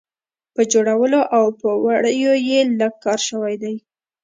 په جوړولو او په وړیو یې لږ کار شوی دی.